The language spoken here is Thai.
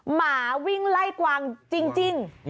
หมาวิ่งไล่กวางจริง